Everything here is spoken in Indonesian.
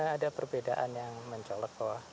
ada perbedaan yang mencolok